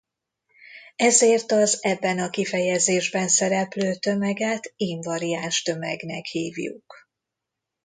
Ezért az ebben a kifejezésben szereplő tömeget invariáns tömegnek hívjuk.